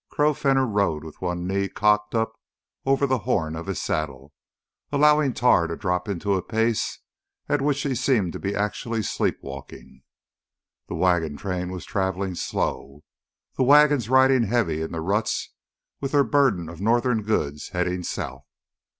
Crow Fenner rode with one knee cocked up over the horn of his saddle, allowing Tar to drop into a pace at which he seemed to be actually sleep walking. The wagon train was traveling slow, the wagons riding heavy in the ruts with their burden of northern goods heading south.